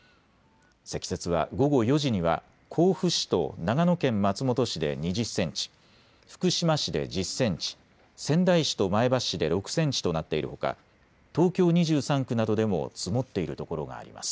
積雪は午後４時には甲府市と長野県松本市で２０センチ、福島市で１０センチ、仙台市と前橋市で６センチとなっているほか、東京２３区などでも積もっている所があります。